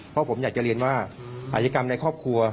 เพราะผมอยากจะเรียนว่าอาชกรรมในครอบครัว